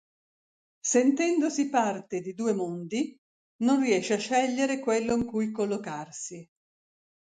Sentendosi parte di due mondi, non riesce a scegliere quello in cui collocarsi.